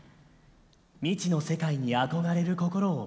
未知の世界に憧れる心を持てって。